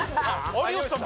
有吉さん